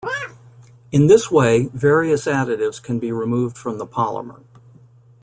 In this way, various additives can be removed from the polymer.